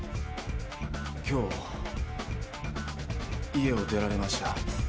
今日家を出られました。